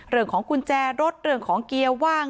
เรื่องของกุญแจรถเรื่องของเกียร์ว่าง